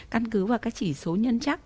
căn cứ vào các chỉ số nhân chắc